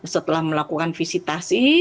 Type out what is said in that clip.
setelah melakukan visitasi